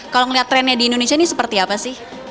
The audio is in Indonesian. kalau ngeliat trennya di indonesia ini seperti apa sih